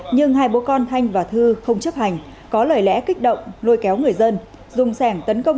nhưng hai bố con thanh và thư không chấp hành có lời lẽ kích động lôi kéo người dân dùng sẻng tấn công